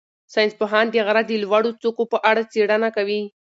ساینس پوهان د غره د لوړو څوکو په اړه څېړنه کوي.